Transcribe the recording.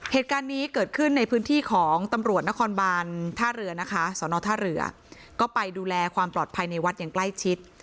เหตุการณ์นี้เกิดขึ้นในพื้นที่ของตำรวจนครบานท่าเรือนะคะสอนอท่าเรือก็ไปดูแลความปลอดภัยในวัดอย่างใกล้ชิด